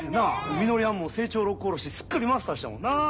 みのりはんも正調「六甲おろし」すっかりマスターしたもんな！